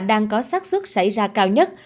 đang có sát xuất xảy ra cao nhất